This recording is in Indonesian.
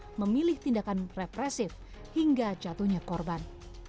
untuk memilih tindakan represif hingga jatuhnya korban